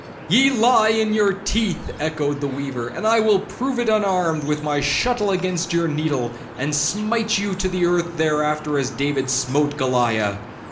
'Ye lie, in your teeth,' echoed the weaver; 'and I will prove it unarmed, with my shuttle against your needle, and smite you to the earth thereafter, as David smote Goliah.